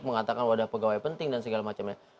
mengatakan wadah pegawai penting dan segala macamnya